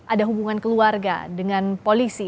ada hubungan keluarga dengan polisi